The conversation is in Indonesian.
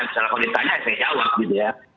misalnya kalau ditanya saya jawab